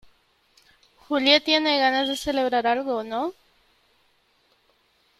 Julia tiene ganas de celebrar algo ,¿ no ?